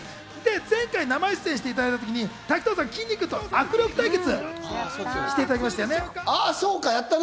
前回、生出演していただいた時に滝藤さん、きんに君と握力対決をしていただきましたね。